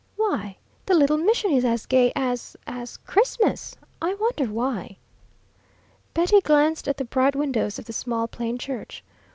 "Why, the little mission is as gay as as Christmas! I wonder why?" Betty glanced at the bright windows of the small plain church.